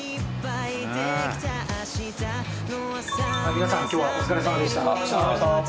皆さん今日はお疲れさまでした。